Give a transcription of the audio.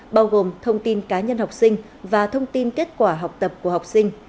bao gồm thông tin cá nhân học sinh và thông tin kết quả học tập của học sinh